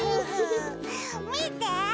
みて！